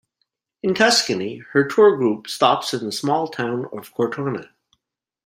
In Tuscany, her tour group stops in the small town of Cortona.